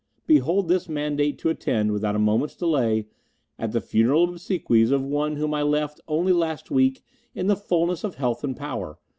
Behold this mandate to attend, without a moment's delay, at the funeral obsequies of one whom I left, only last week, in the fullness of health and power.